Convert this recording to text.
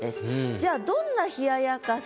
じゃあどんな冷ややかさ